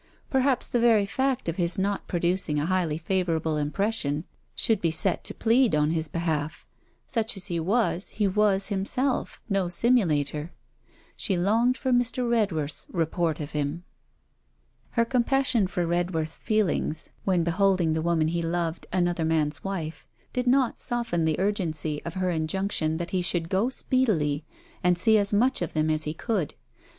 Perhaps the very fact of his not producing a highly favourable impression, should be set to plead on his behalf. Such as he was, he was himself, no simulator. She longed for Mr. Redworth's report of him. Her compassion for Redworth's feelings when beholding the woman he loved another man's wife, did not soften the urgency of her injunction that he should go speedily, and see as much of them as he could.